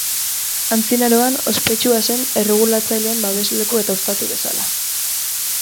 Antzinaroan ospetsua zen erregutzaileen babesleku eta ostatu bezala.